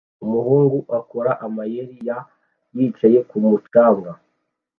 Umuhungu akora amayeri ya yicaye kumu canga